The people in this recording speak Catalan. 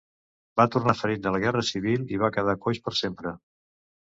Va tornar ferit de la Guerra Civil i va quedar coix per sempre.